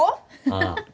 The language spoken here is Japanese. ああ。